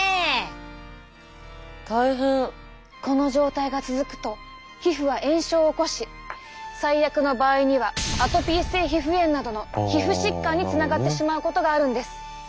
この状態が続くと皮膚は炎症を起こし最悪の場合にはアトピー性皮膚炎などの皮膚疾患につながってしまうことがあるんです。